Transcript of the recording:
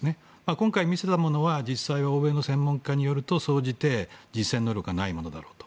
今回見せたものは実際、欧米の専門家によると総じて実戦能力がないものだと。